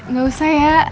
gak usah ya